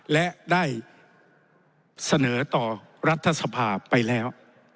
และได้เสนอต่อรัฐสภาไปแล้ว